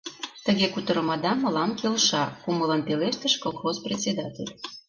— Тыге кутырымыда мылам келша, — кумылын пелештыш колхоз председатель.